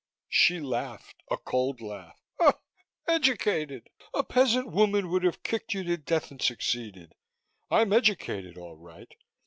She laughed a cold laugh. "Educated! A peasant woman would have kicked you to death and succeeded. I'm educated, all right!